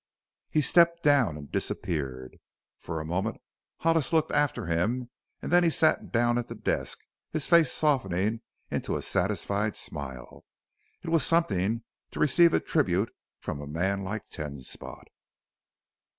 He stepped down and disappeared. For a moment Hollis looked after him, and then he sat down at the desk, his face softening into a satisfied smile. It was something to receive a tribute from a man like Ten Spot.